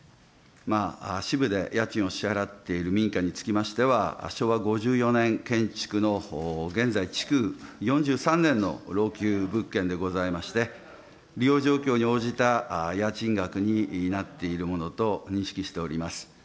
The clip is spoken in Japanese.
支部で家賃を支払っている民家につきましては、昭和５４年建築の現在、築４３年の老朽物件でございまして、利用状況に応じた家賃額になっているものと認識しております。